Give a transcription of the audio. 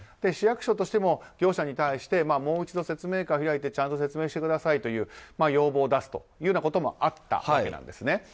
市役所としても、業者に対してもう１度、説明会を開いてちゃんと説明くださいという要望を出すということもあったわけなんです。